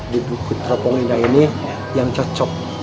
di bukit teropong indah ini yang cocok